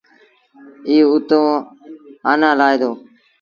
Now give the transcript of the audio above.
ايٚ اُت آنآ لآهي دو۔